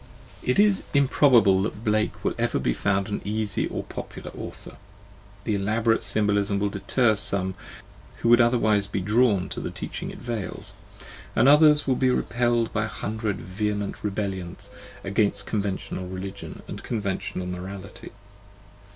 It is improbable that Blake will ever be found an easy or a popular author: the elaborate symbolism will deter some who would otherwise be drawn to the teaching it veils, and others will be re pelled by a hundred vehement rebellions against conventional religion and conventional morality.